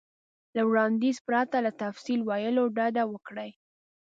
له وړاندیز پرته له تفصیل ویلو ډډه وکړئ.